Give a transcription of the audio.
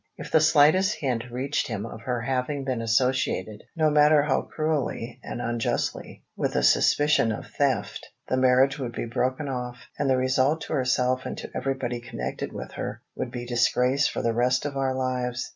If the slightest hint reached him of her having been associated, no matter how cruelly and unjustly, with a suspicion of theft, the marriage would be broken off, and the result to herself and to everybody connected with her, would be disgrace for the rest of our lives."